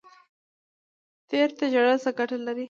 تیر ته ژړل څه ګټه لري؟